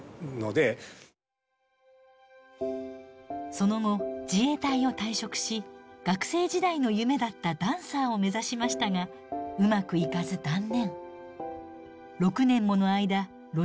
その後自衛隊を退職し学生時代の夢だったダンサーを目指しましたがうまくいかず断念。